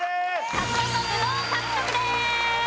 カツオとブドウ獲得です！